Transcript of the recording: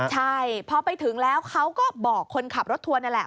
ใช่พอไปถึงแล้วเขาก็บอกคนขับรถทัวร์นั่นแหละ